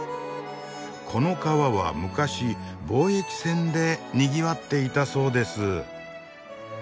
この川は昔貿易船でにぎわっていたそうです。